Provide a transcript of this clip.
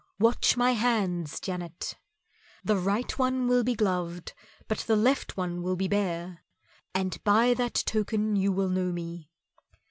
Watch my hands, Janet, the right one will be gloved but the left one will be bare, and by that token you will know me."